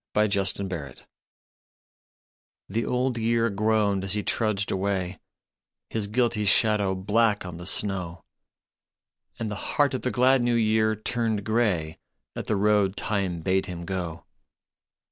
BLOOD ROAD THE Old Year groaned as he trudged away, His guilty shadow black on the snow, And the heart of the glad New Year turned grey At the road Time bade him go.